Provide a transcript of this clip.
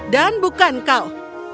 dan bukan kau